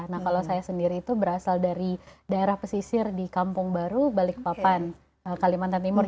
nah kalau saya sendiri itu berasal dari daerah pesisir di kampung baru balikpapan kalimantan timur